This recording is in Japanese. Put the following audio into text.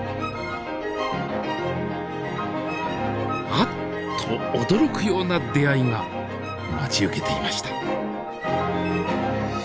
あっと驚くような出会いが待ち受けていました。